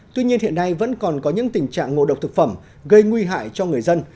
tuy nhiên hiện nay vẫn còn có những tình trạng ngộ độc thực phẩm gây nguy hại cho người dân